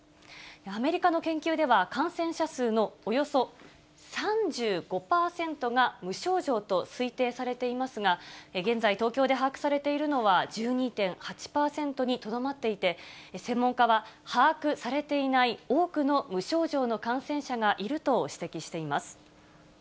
アメリカの研究では、感染者数のおよそ３５％が無症状と推定されていますが、現在、東京で把握されているのは１２．８％にとどまっていて、専門家は、把握されていない多くの無症状の感染者がいると指摘しています。